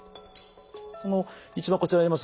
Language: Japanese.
一番こちらにあります